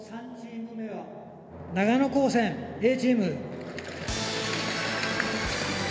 長野高専Ａチーム。